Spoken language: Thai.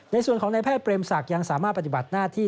ในส่วนของนายแพทย์เปรมศักดิ์ยังสามารถปฏิบัติหน้าที่